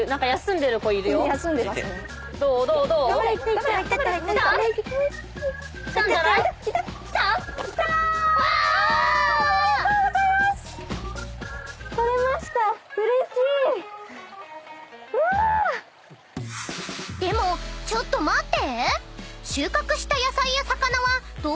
［でもちょっと待って！］